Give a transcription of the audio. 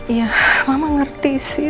ya mama ngerti sih